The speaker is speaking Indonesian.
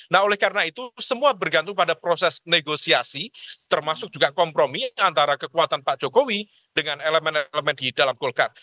nah oleh karena itu semua bergantung pada proses negosiasi termasuk juga kompromi antara kekuatan pak jokowi dengan elemen elemen di dalam golkar